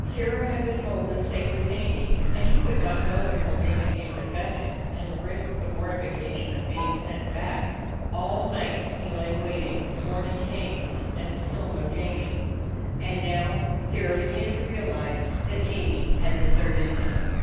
Sirrah had been told to stay with Sandy, and he would not go until Jamie came to fetch him, and risk the mortification of being sent back. All night he lay waiting; morning came, and still no Jamie. 95 DOG HEROES OF MANY LANDS And now Sirrah began to realize that J amie had deserted him.